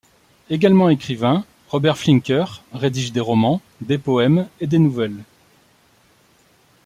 Également écrivain, Robert Flinker rédige des romans, des poèmes et des nouvelles.